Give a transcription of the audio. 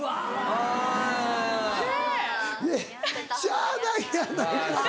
・あぁ・しゃあないやないか。